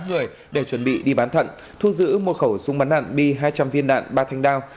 các người đều chuẩn bị đi bán thận thu giữ một khẩu súng bắn nạn bi hai trăm linh viên nạn ba thanh đao